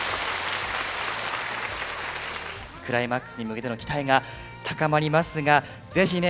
クライマックスに向けての期待が高まりますが是非ね